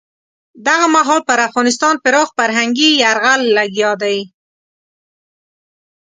دغه مهال پر افغانستان پراخ فرهنګي یرغل لګیا دی.